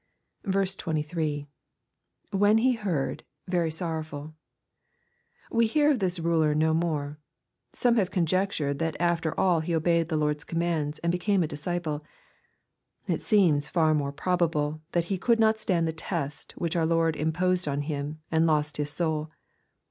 23. —[ WTien he heard.^.very sorrowful^ We hear of this ruler no more. Some have conjectured that after all he obeyed our Lord's com mands, and became a disciple. It seems far more probable that he could not stand the test which our Lord imposed on him, and lost his soul.